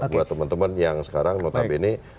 buat teman teman yang sekarang notabene